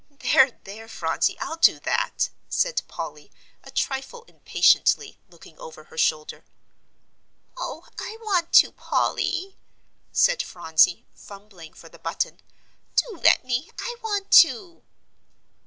"There, there, Phronsie, I'll do that," said Polly, a trifle impatiently, looking over her shoulder. "Oh, I want to, Polly," said Phronsie, fumbling for the button. "Do let me; I want to."